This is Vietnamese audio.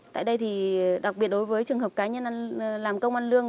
tại đây thì đặc biệt đối với trường hợp cá nhân làm công an lương